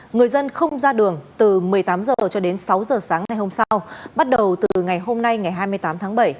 người dân không ra đường từ một mươi tám h cho đến sáu h sáng ngày hôm sau bắt đầu từ ngày hôm nay ngày hai mươi tám tháng bảy